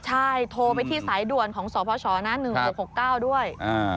ใช่โทรไปที่สายด่วนของสพชน๑๖๖๙ด้วย